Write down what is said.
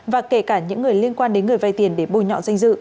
và kể cả những người liên quan đến người vay tiền để bùi nhọn danh dự